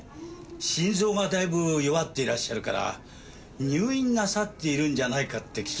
心臓がだいぶ弱っていらっしゃるから入院なさっているんじゃないかって聞きましてね。